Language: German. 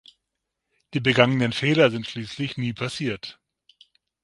Die begangenen Fehler sind schließlich nie passiert.